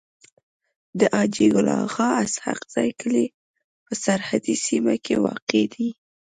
د حاجي ګل اغا اسحق زی کلی په سرحدي سيمه کي واقع دی.